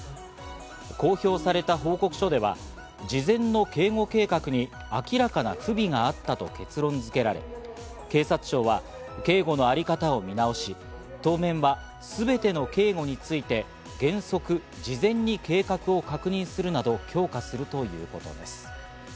公表された報告書では事前の警護計画に明らかな不備があったと結論づけられ、警察庁は警護のあり方を見直し、当面は全ての警護について原則、事前に計画を確認するなど強化するということです。